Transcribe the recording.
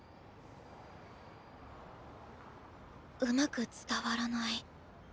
うまく伝わらない。